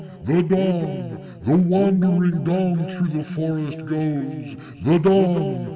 the Dong! The wandering Dong through the forest goes! The Dong!